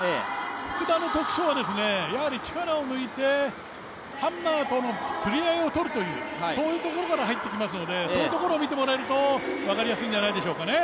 福田の特徴は、力を抜いてハンマーとのつり合いをとるという、そういうところから入ってきますので、そういうところを見てもらえると分かりやすいんじゃないでしょうかね。